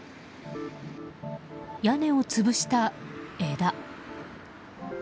屋根を潰した枝。